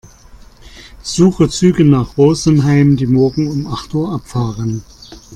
Suche Züge nach Rosenheim, die morgen um acht Uhr abfahren.